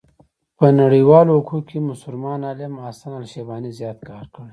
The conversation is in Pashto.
په نړيوالو حقوقو کې مسلمان عالم حسن الشيباني زيات کار